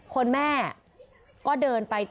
คนแม่ก็เดินไป